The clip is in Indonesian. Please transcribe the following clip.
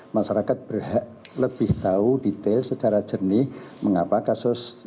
masyarakat berhak lebih tahu detail secara jernih mengapa kasus